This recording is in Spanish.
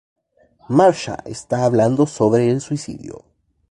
Marsha está hablando sobre el suicidio.